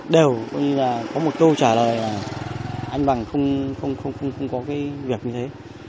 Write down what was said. đều có một câu trả lời là anh bằng không có cái việc như thế